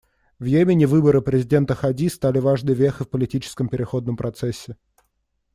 В Йемене выборы президента Хади стали важной вехой в политическом переходном процессе.